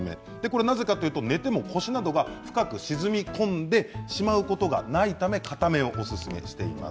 なぜかというと寝ても腰などが深く沈み込んでしまうことがないためかためをおすすめしています。